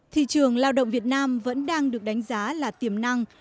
thị trường lao động việt nam vẫn đang được đánh giá là tiềm năng